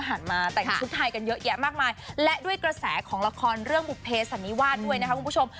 ใหม่กันเยอะแยะมากมายและด้วยกระแสของละครเรื่องบุเภสันนิวาสด้วยนะครับคุณผู้ชม